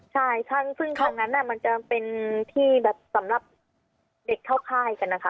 ใช่ซึ่งตรงนั้นมันจะเป็นที่แบบสำหรับเด็กเข้าค่ายกันนะคะ